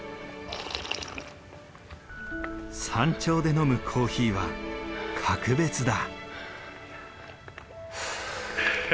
山頂で飲むコーヒーは格別だ。